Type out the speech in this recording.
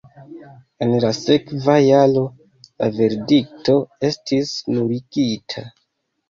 En la sekva jaro la verdikto estis nuligita.